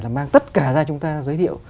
là mang tất cả ra chúng ta giới thiệu